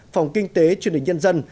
phòng kinh tế truyền hình nhân dân